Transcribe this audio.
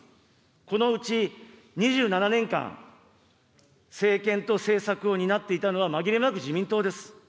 このうち２７年間、政権と政策を担っていたのは、まぎれもなく自民党です。